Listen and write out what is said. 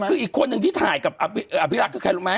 คืออีกคนนึงที่ถ่ายกับอภิรักษ์คือใครรู้ไหม